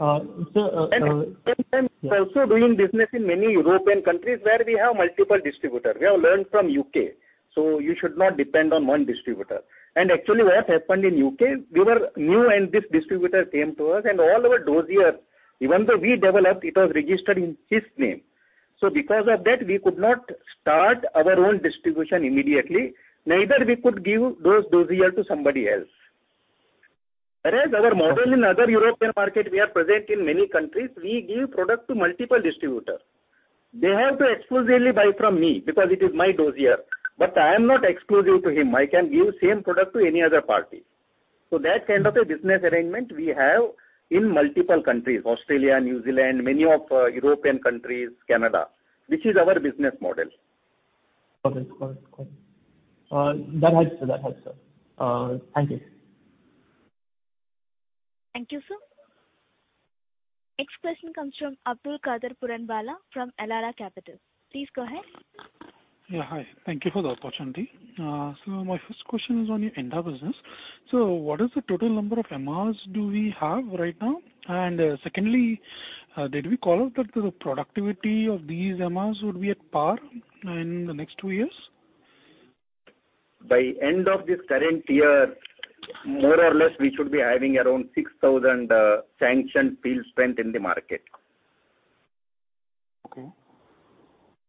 Also doing business in many European countries where we have multiple distributors. We have learned from U.K., so you should not depend on one distributor. Actually, what happened in U.K., we were new and this distributor came to us and all our dossier, even though we developed, it was registered in his name. Because of that, we could not start our own distribution immediately. Neither we could give those dossier to somebody else. Whereas our model in other European market, we are present in many countries, we give product to multiple distributors. They have to exclusively buy from me because it is my dossier, but I am not exclusive to him. I can give same product to any other party. That kind of a business arrangement we have in multiple countries, Australia, New Zealand, many of European countries, Canada, which is our business model. Got it. That helps, sir. Thank you. Thank you, sir. Next question comes from Abdulkader Puranwala from Elara Capital. Please go ahead. Yeah, hi. Thank you for the opportunity. My first question is on your India business. What is the total number of MRs do we have right now? Secondly, dare we call out that the productivity of these MRs would be at par in the next two years? By end of this current year, more or less we should be having around 6,000 sanctioned field staff in the market. Okay.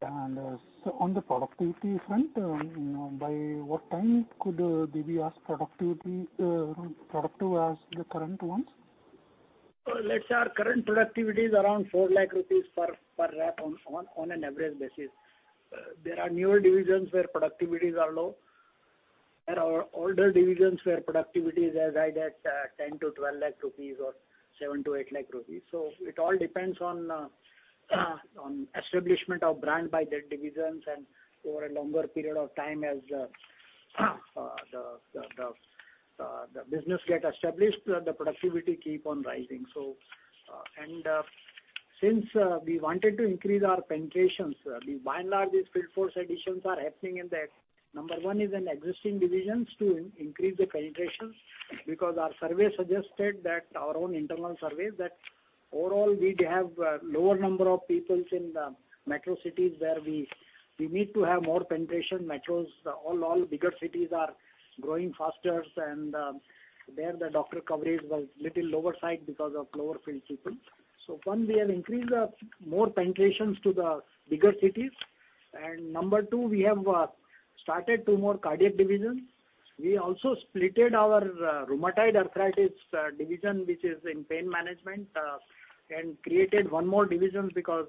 On the productivity front, you know, by what time could these be as productive as the current ones? Let's say our current productivity is around 4 lakh rupees per rep on an average basis. There are newer divisions where productivities are low, and our older divisions where productivities reside at 10-12 lakh rupees or 7-8 lakh rupees. It all depends on establishment of brand by their divisions and over a longer period of time as the business get established, the productivity keep on rising. Since we wanted to increase our penetrations, by and large these field force additions are happening in that. Number one is in existing divisions to increase the penetrations because our surveys suggested that our own internal surveys that overall, we have a lower number of people in the metro cities where we need to have more penetration in metros. All bigger cities are growing faster and there the doctor coverage was a little on the lower side because of lower MR people. One, we have increased more penetrations to the bigger cities. Number two, we have started two more cardiac divisions. We also split our rheumatoid arthritis division, which is in pain management, and created one more division because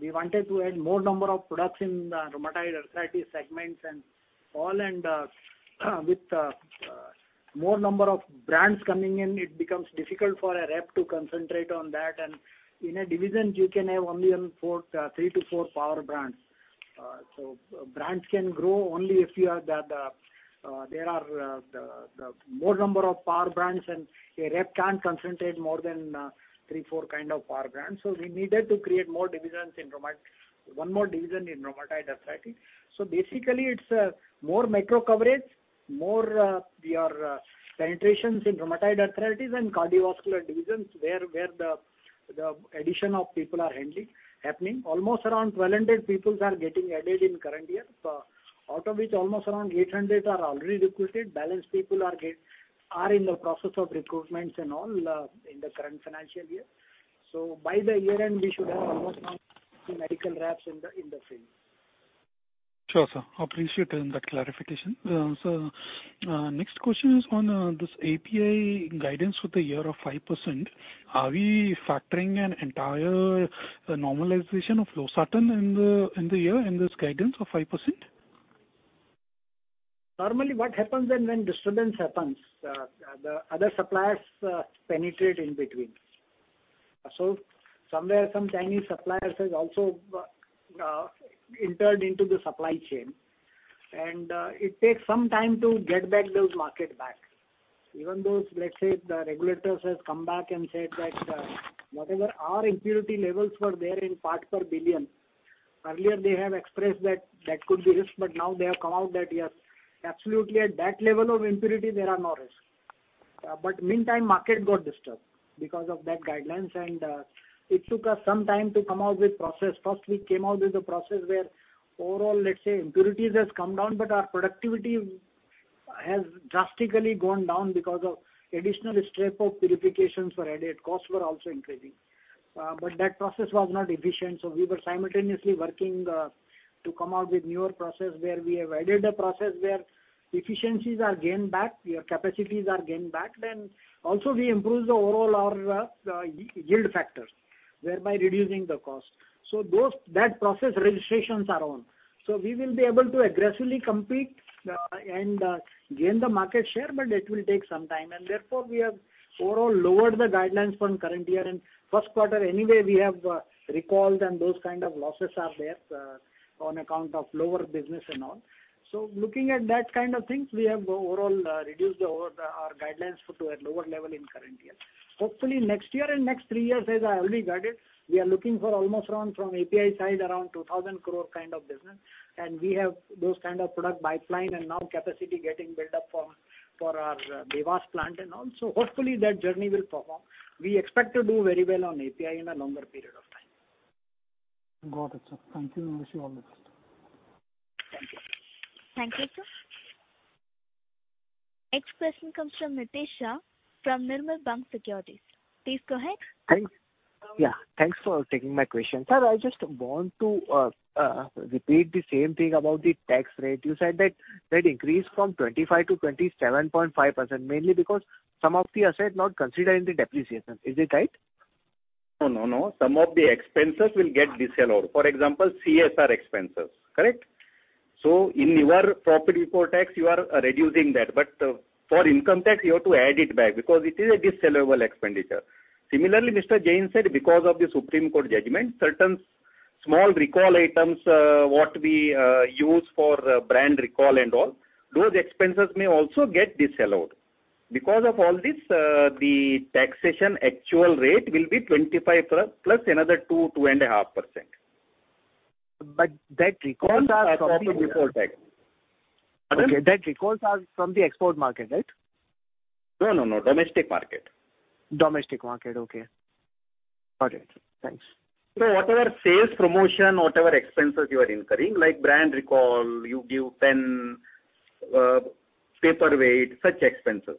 we wanted to add more number of products in the rheumatoid arthritis segment and all. With more number of brands coming in, it becomes difficult for a rep to concentrate on that. In a division you can have only important three to four power brands. Brands can grow only if you have the more number of power brands and a rep can't concentrate more than three, four kind of power brands. We needed to create more divisions in rheumatoid—one more division in rheumatoid arthritis. Basically it's more micro coverage, more penetrations in rheumatoid arthritis and cardiovascular divisions where the addition of people is happening. Almost around 1,200 people are getting added in current year. Out of which almost around 800 are already recruited. Balance people are in the process of recruitments and all, in the current financial year. By the year end, we should have almost around two medical reps in the field. Sure, sir. Appreciate that clarification. Next question is on this API guidance for the year of 5%. Are we factoring an entire normalization of Losartan in the year in this guidance of 5%? Normally what happens then when disturbance happens, the other suppliers penetrate in between. Somewhere some Chinese suppliers has also entered into the supply chain, and it takes some time to get back those market back. Even those, let's say the regulators has come back and said that whatever our impurity levels were there in part per billion. Earlier they have expressed that that could be risk, but now they have come out that, yes, absolutely at that level of impurity there are no risk. Meantime market got disturbed because of that guidelines, and it took us some time to come out with process. First we came out with a process where overall, let's say impurities has come down, but our productivity has drastically gone down because of additional step of purifications were added. Costs were also increasing. That process was not efficient. We were simultaneously working to come out with a newer process where we have added a process where efficiencies are gained back, your capacities are gained back. We also improved our overall yield factors, thereby reducing the cost. Those process registrations are on. We will be able to aggressively compete and gain the market share, but it will take some time. Therefore we have overall lowered the guidelines for current year. First quarter anyway, we have recalled and those kind of losses are there on account of lower business and all. Looking at that kind of things, we have overall reduced our guidelines to a lower level in current year. Hopefully next year and next three years as I already guided, we are looking for almost around from API side, around 2,000 crore kind of business. We have those kind of product pipeline and now capacity getting built up for our Dewas plant and all. Hopefully that journey will perform. We expect to do very well on API in a longer period of time. Got it, sir. Thank you. Wish you all the best. Thank you. Thank you, sir. Next question comes from Mitesh Shah from Nirmal Bang Securities. Please go ahead. Thanks. Yeah, thanks for taking my question. Sir, I just want to repeat the same thing about the tax rate. You said that that increased from 25%-27.5%, mainly because some of the assets not considered in the depreciation. Is it right? No, no. Some of the expenses will get disallowed. For example, CSR expenses. Correct? In your profit before tax, you are reducing that. For income tax you have to add it back because it is a disallowable expenditure. Similarly, Mr. Jain said because of the Supreme Court judgment, certain small recall items, what we use for brand recall and all, those expenses may also get disallowed. Because of all this, the taxation actual rate will be 25% plus another 2-2.5%. The recalls are from the. That's our profit before tax. Okay. Those recalls are from the export market, right? No, no. Domestic market. Domestic market. Okay. Got it. Thanks. Whatever sales promotion, whatever expenses you are incurring, like brand recall, you give pen, paperweight, such expenses.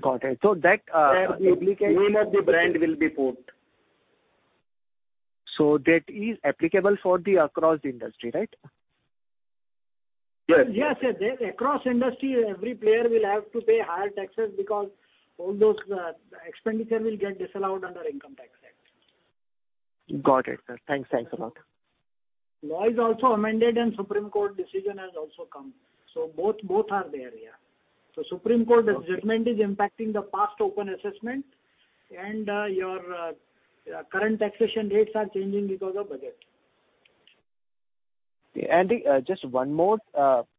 Got it. That. There the name of the brand will be put. That is applicable across the industry, right? Yes, yes. There across industry every player will have to pay higher taxes because all those expenditure will get disallowed under Income Tax Act. Got it, sir. Thanks. Thanks a lot. Law is also amended and Supreme Court decision has also come. Both are there, yeah. Supreme Court judgment is impacting the past open assessment and your current taxation rates are changing because of budget. Just one more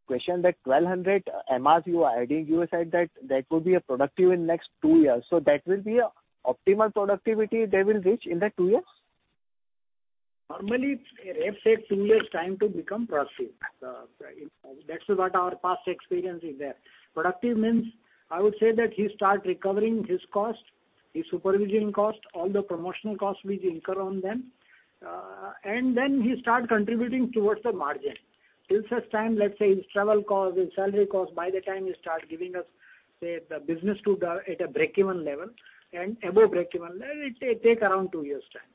question. That 1,200 MRs you are adding, you said that could be productive in next two years. That will be a optimal productivity they will reach in that two years? Normally, it takes two years' time to become productive. That's what our past experience is there. Productive means, I would say that he start recovering his cost, his supervision cost, all the promotional costs which incur on them, and then he start contributing towards the margin. Till such time, let's say his travel cost, his salary cost, by the time he start giving us, say, the business at a break-even level and above break-even level, it take around two years' time.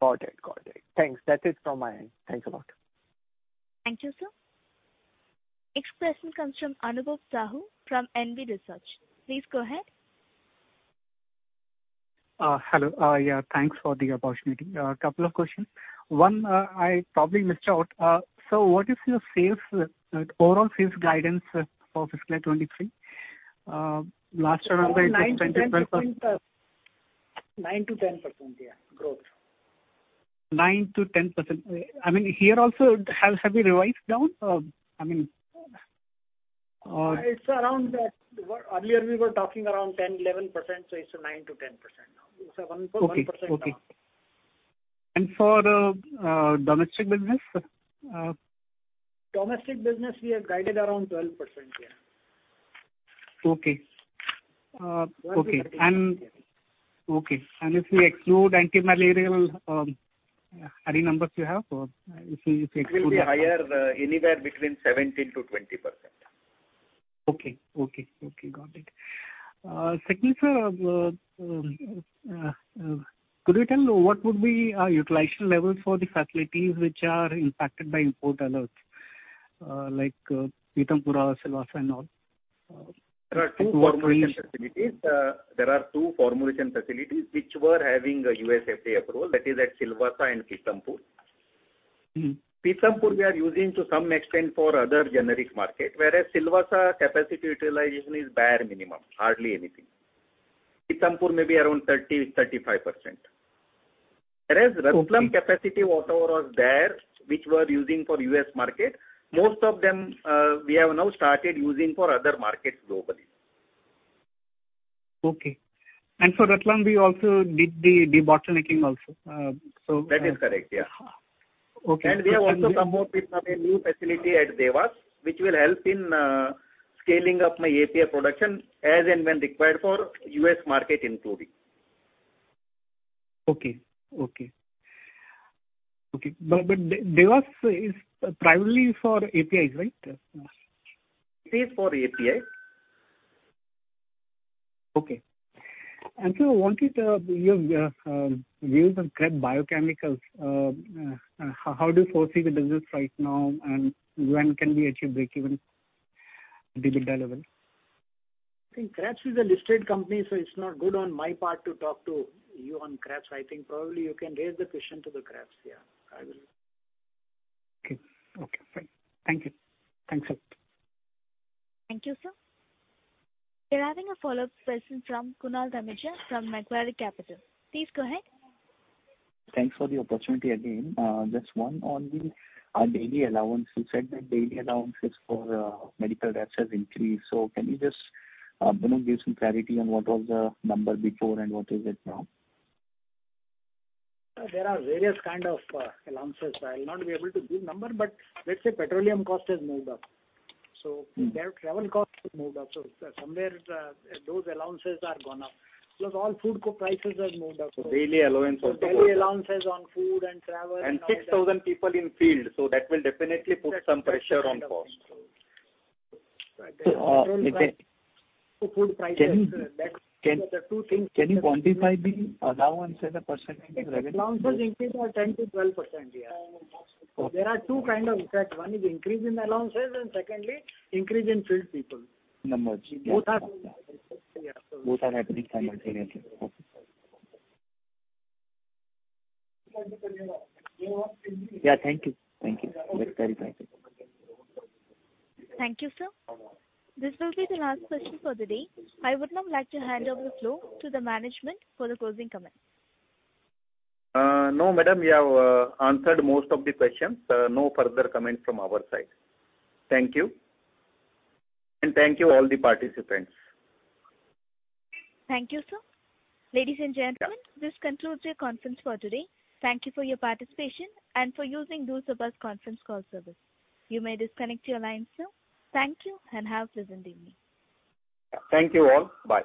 Got it. Got it. Thanks. That is from my end. Thanks a lot. Thank you, sir. Next question comes from Anubhav Sahu from Nirmal Bang. Please go ahead. Hello. Yeah, thanks for the opportunity. A couple of questions. One, I probably missed out. What is your sales, overall sales guidance for fiscal 2023? Last year it was 20%- 9-10%. Yeah. Growth. 9%-10%. I mean, here also, have you revised down? I mean, It's around what earlier we were talking around 10-11%, so it's 9%-10% now. It's a 1.1% down. Okay. For the domestic business? Domestic business we have guided around 12%. Yeah. Okay. Okay. 12%. If we exclude antimalarial, any numbers you have or if we exclude. It will be higher, anywhere between 17%-20%. Okay. Got it. Second, sir, could you tell what would be utilization levels for the facilities which are impacted by import alerts, like Pithampur, Silvassa and all? What will be- There are two formulation facilities. There are two formulation facilities which were having a USFDA approval. That is at Silvassa and Pithampur. Mm-hmm. Pithampur we are using to some extent for other generic market, whereas Silvassa capacity utilization is bare minimum, hardly anything. Pithampur maybe around 30-35%. Whereas Ratlam capacity whatever was there, which we are using for U.S. market, most of them, we have now started using for other markets globally. Okay. For Ratlam we also did the debottlenecking also. That is correct. Yeah. Okay. We have also come up with a new facility at Dewas, which will help in scaling up my API production as and when required for U.S. market including. Okay. Dewas is primarily for APIs, right? It is for API. Okay. I wanted views on Krebs Biochemicals. How do you foresee the business right now, and when can we achieve break-even EBITDA level? I think Krebs is a listed company, so it's not good on my part to talk to you on Krebs. I think probably you can raise the question to the Krebs. Yeah. I will. Okay. Fine. Thank you. Thanks a lot. Thank you, sir. We're having a follow-up question from Kunal Dhamesha, from Macquarie Capital. Please go ahead. Thanks for the opportunity again. Just one on the daily allowance. You said that daily allowances for medical reps has increased. Can you just, you know, give some clarity on what was the number before and what is it now? There are various kind of allowances. I'll not be able to give number, but let's say petroleum cost has moved up. Their travel costs have moved up. Somewhere, those allowances are gone up. Plus all food co prices have moved up. Daily allowance also. Daily allowances on food and travel and all that. 6,000 people in field, so that will definitely put some pressure on cost. That's true. So, uh, if it- Food prices. That's the 2 things. Can you quantify the allowances, the percentage increment? Allowances increase are 10%-12%. Yeah. Okay. There are two kinds of effects. One is increase in allowances and, secondly, increase in field people. Numbers. Yeah. Both are, yeah. Both are happening simultaneously. Okay. Yeah. Thank you. Thank you. That's very helpful. Thank you, sir. This will be the last question for the day. I would now like to hand over the floor to the management for the closing comments. No, madam, we have answered most of the questions. No further comment from our side. Thank you. Thank you all the participants. Thank you, sir. Ladies and gentlemen, this concludes your conference for today. Thank you for your participation and for using Chorus Call service. You may disconnect your lines now. Thank you, and have a pleasant evening. Thank you all. Bye.